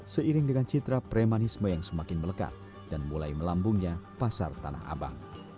seiring dengan citra premanisme yang semakin melekat dan mulai melambungnya pasar tanah abang